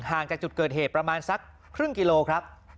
จากจุดเกิดเหตุประมาณสักครึ่งกิโลครับ